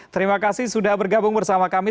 terima kasih sudah bergabung bersama kami